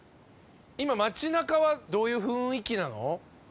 今街中はどういう雰囲気なの？